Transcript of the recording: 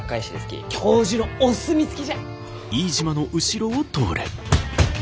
教授のお墨付き！？